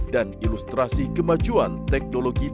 dan ilustrasi kemajuan teknologi